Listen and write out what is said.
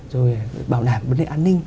rồi bảo đảm vấn đề an ninh